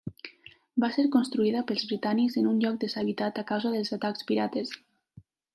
Va ser construïda pels britànics en un lloc deshabitat a causa dels atacs pirates.